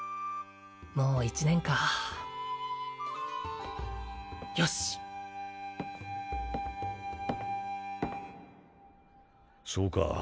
もう１年かよしそうか